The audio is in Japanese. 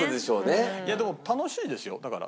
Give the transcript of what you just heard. いやでも楽しいですよだから。